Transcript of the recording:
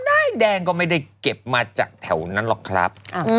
ด้ายแดงก็ไม่ได้เก็บมาจากแถวนั้นหรอกครับ